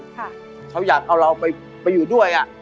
เขาอยากเอาเราไปอยู่ด้วยอ่ะ